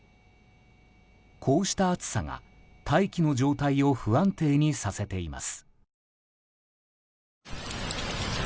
こうした暑さが大気の状態を不安定にさせています。